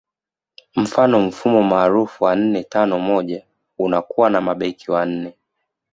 Mfano mfumo maarufu wa nne tano moja unakuwa na mabeki wanne